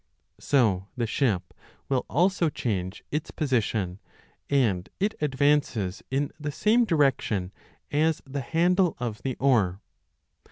So the ship will also change its position, and it advances in the same direction as the handle of the oar.